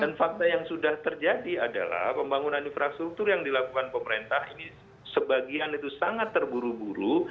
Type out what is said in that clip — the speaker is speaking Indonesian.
dan fakta yang sudah terjadi adalah pembangunan infrastruktur yang dilakukan pemerintah ini sebagian itu sangat terburu buru